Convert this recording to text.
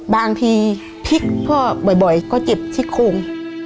บางทีพลิกพ่อบ่อยก็เจ็บซิกโค้ง